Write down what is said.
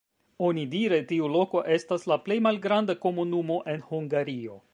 Onidire tiu loko estas la plej malgranda komunumo en Hungario.